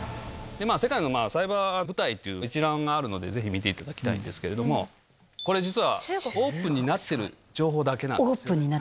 世界のサイバー部隊という一覧があるので、ぜひ見ていただきたいんですけれども、これ、実はオープンになってる情報だけなんですね。